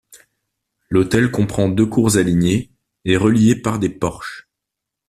L'hôtel comprend deux cours alignées et reliées par des porches.